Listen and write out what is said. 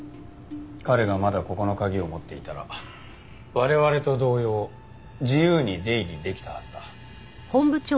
彼がまだここの鍵を持っていたら我々と同様自由に出入りできたはずだ。